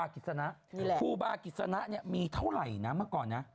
คูบากิษณะมีเท่าไหร่เมื่อก่อน